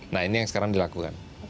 nah ini yang sekarang dilakukan